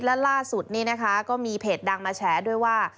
และล่าสุดนี้นะคะก็มีเพจดังมาแฉด้วยว่า